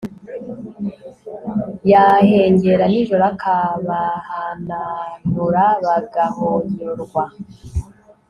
yahengera nijoro ikabahanantura bagahonyorwa